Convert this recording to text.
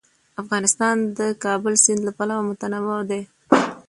افغانستان د د کابل سیند له پلوه متنوع دی.